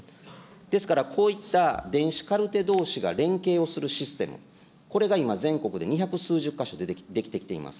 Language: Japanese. ですから、こういった電子カルテどうしが連携をするシステム、これが今、全国で二百数十か所できてきています。